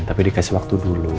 tapi dikasih waktu dulu